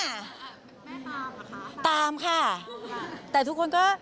แม่ตามเหรอคะตามค่ะแต่ทุกคนก็